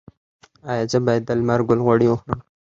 ایا زه باید د لمر ګل غوړي وخورم؟